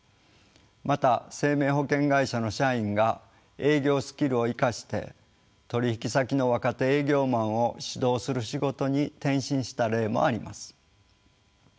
また生命保険会社の社員が営業スキルを生かして取引先の若手営業マンを指導する仕事に転身した例もあります。